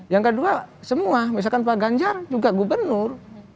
yang kedua semua misalkan pak ganjar juga gubernur